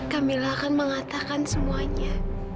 kamila akan mengatakan semuanya